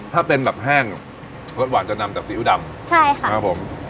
ถ้าเป็นแบบแห้งรสหวานจะนำจากซีอิ๊วดำใช่ค่ะครับผม